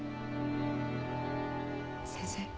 先生。